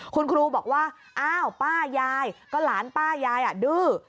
คุณครูบอกว่าอ้าวป้ายายก็หลานป้ายายดื้อ